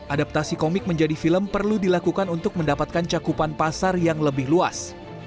adaptasi komik menjadi film perlu dilakukan untuk mendapatkan cakupan pasar yang lebih luas